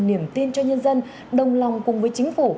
niềm tin cho nhân dân đồng lòng cùng với chính phủ